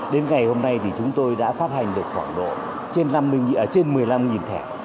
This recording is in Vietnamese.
đến ngày hôm nay thì chúng tôi đã phát hành được khoảng độ trên một mươi năm thẻ